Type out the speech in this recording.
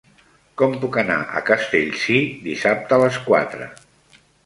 Com puc anar a Castellcir dissabte a les quatre?